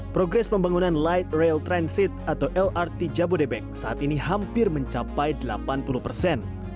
progres pembangunan light rail transit atau lrt jabodebek saat ini hampir mencapai delapan puluh persen